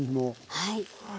はい。